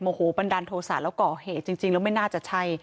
โอ้โหบันดาลโทษะแล้วก่อเหตุจริงแล้วไม่น่าจะใช่